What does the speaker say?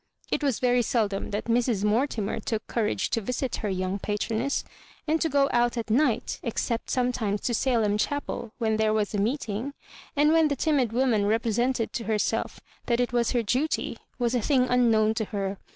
It was very seldom that Mrs. Mortimer took courage to visit hor young pa troness ; and to go out at night, except some times to Salem Chapel when there was a meeting; and when the timid woman represented to her self that it was her duty, was a thing unknown to her.